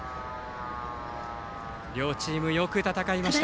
両チーム、よく戦いました。